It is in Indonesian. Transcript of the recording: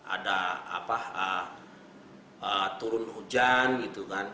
ada apa turun hujan gitu kan